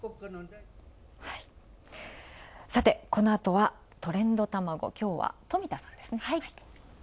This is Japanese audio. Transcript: さてこのあとは「トレンドたまご」きょうは、冨田さんですね。